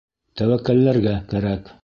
Тәүәккәлләргә кәрәк!